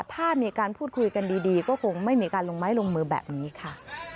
ถ้ามีการพูดคุยกันดีก็คงไม่มีการลงไม้ลงมือแบบนี้ค่ะ